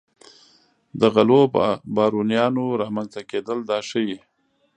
د غلو بارونیانو رامنځته کېدل دا ښيي.